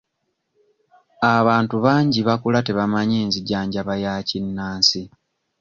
Abantu bangi bakula tebamanyi nzijanjaba ya kinnansi.